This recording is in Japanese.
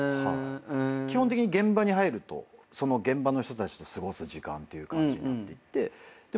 基本的に現場に入るとその現場の人たちと過ごす時間っていう感じになっていって。